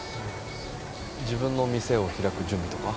自分の店を開く準備とか。